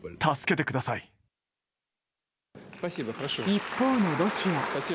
一方のロシア。